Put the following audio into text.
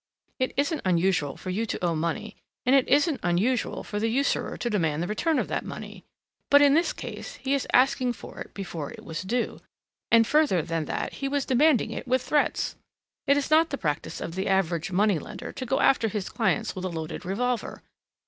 It isn't unusual for you to owe money and it isn't unusual for the usurer to demand the return of that money, but in this case he is asking for it before it was due, and further than that he was demanding it with threats. It is not the practice of the average money lender to go after his clients with a loaded revolver.